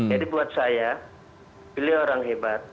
buat saya beliau orang hebat